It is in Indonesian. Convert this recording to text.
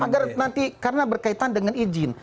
agar nanti karena berkaitan dengan izin